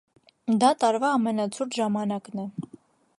Դա տարվա ամենացուրտ ժամանակն է։